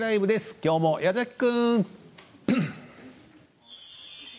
きょうも矢崎君！